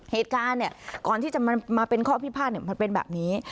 เหตุการณ์เนี่ยก่อนที่จะมาเป็นข้อพิพาทมันเป็นแบบนี้